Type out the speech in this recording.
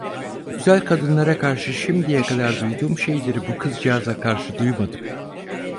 Güzel kadınlara karşı şimdiye kadar duyduğum şeyleri bu kızcağıza karşı duymadım.